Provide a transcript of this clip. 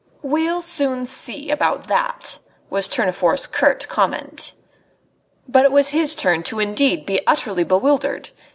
"We'll soon see about that!" was Tournefort's curt comment. But it was his turn indeed to be utterly bewildered.